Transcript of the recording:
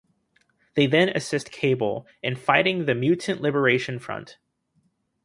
They then assist Cable in fighting the Mutant Liberation Front.